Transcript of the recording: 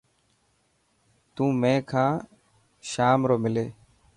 تون مين کان شام رو ملي.